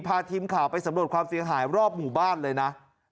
พาทีมข่าวไปสำรวจความเสียหายรอบหมู่บ้านเลยนะ